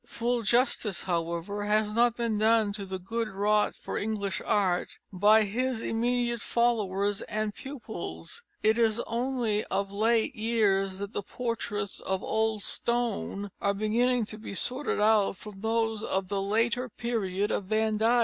Full justice, however, has not been done to the good wrought for English art by his immediate followers and pupils. It is only of late years that the portraits of old Stone are beginning to be sorted out from those of the later period of Van Dyck.